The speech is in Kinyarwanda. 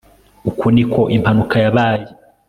uku niko impanuka yabaye